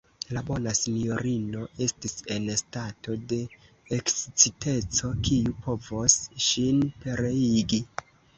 La bona sinjorino estis en stato de eksciteco, kiu povos ŝin pereigi.